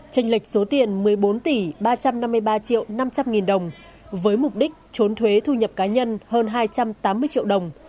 tranh lệch số tiền một mươi bốn tỷ ba trăm năm mươi ba triệu năm trăm linh nghìn đồng với mục đích trốn thuế thu nhập cá nhân hơn hai trăm tám mươi triệu đồng